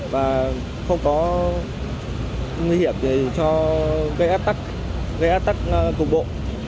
và không có nguy hiểm cho gây áp tắc gây áp tắc cục bộ